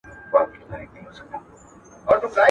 هغه بڼوال چې مېوې په طبیعي ډول پخوي ډېر بریالی دی.